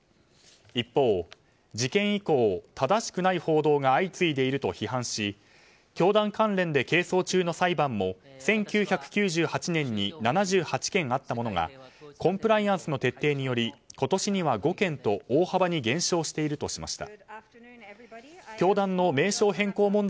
一方、事件以降正しくない報道が相次いでいると批判し教団関連で係争中の裁判も１９９８年に７８件あったものがコンプライアンスの徹底により今年には５件と大幅に減少しているとしました。